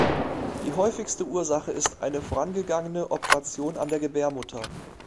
Die häufigste Ursache ist eine vorangegangene Operation an der Gebärmutter.